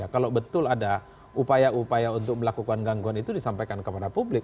kalau betul ada upaya upaya untuk melakukan gangguan itu disampaikan kepada publik